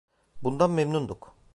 Bundan memnunduk.